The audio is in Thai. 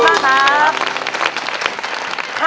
เรียกประกันแล้วยังคะ